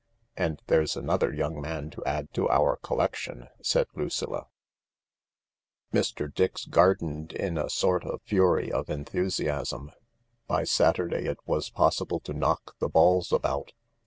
"" And there's another young man to add to our collec tion," said Lucilla. THE LARK 181 Mr. Dix gardened in a sort of fury of enthusiasm ; by Saturday it was possible to knock the balls about.